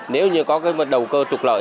nếu như có một đầu cơ trục lợi